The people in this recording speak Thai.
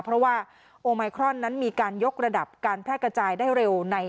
เพราะว่าโอไมครอนนั้นมีการยกระดับการแพร่กระจายได้เร็ว